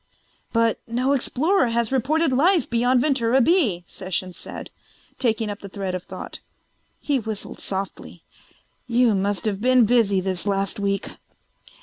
"But no explorer has reported life beyond Ventura B," Sessions said, taking up the thread of thought. He whistled softly. "You must have been busy this last week."